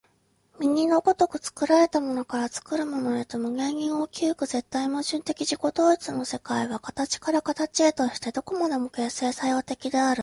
右の如く作られたものから作るものへと無限に動き行く絶対矛盾的自己同一の世界は、形から形へとして何処までも形成作用的である。